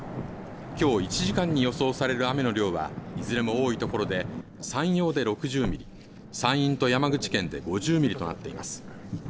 きょう１時間に予想される雨の量量はいずれも多い所で山陽で６０ミリ、山陰と山口県で５０ミリとなっています。